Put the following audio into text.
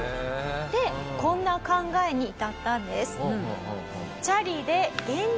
でこんな考えに至ったんです。